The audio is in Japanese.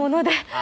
あ